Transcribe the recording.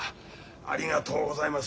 ありがとうございます。